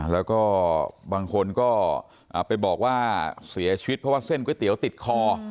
แล้วก็บางคนก็ไปบอกว่าเสียชีวิตเพราะว่าเส้นก๋วยเตี๋ยวติดคอ